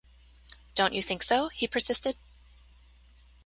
“Don’t you think so?” he persisted.